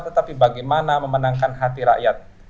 tetapi bagaimana memenangkan hati rakyat